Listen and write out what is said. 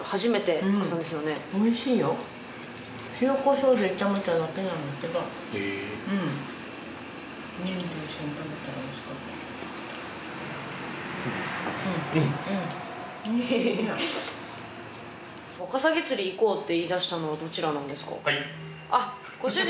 ワカサギ釣り行こうって言いだしたのはどちらなんですか？